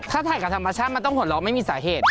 ถ้าถ่ายกับธรรมชาติมันต้องหัวเราะไม่มีสาเหตุ